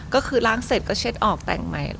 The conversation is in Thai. ก็คือล้างเสร็จก็เช็ดออกแต่งใหม่